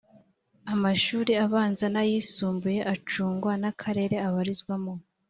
amashuri abanza n’ayisumbuye acungwa n’akarere abarizwamo